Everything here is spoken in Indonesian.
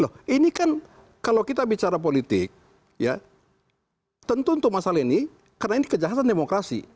loh ini kan kalau kita bicara politik ya tentu untuk masalah ini karena ini kejahatan demokrasi